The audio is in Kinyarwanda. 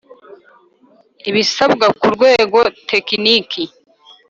ibisabwa ku rwego tekiniki